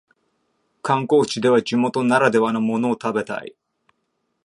観光地では地元ならではのものを食べたい